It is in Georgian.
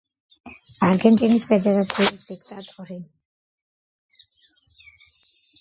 არგენტინის ფედერაციის დიქტატორი.